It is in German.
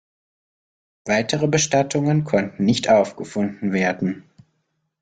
Weitere Bestattungen konnten nicht aufgefunden werden.